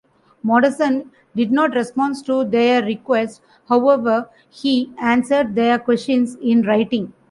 Mortenson did not respond to their requests; however, he answered their questions in writing.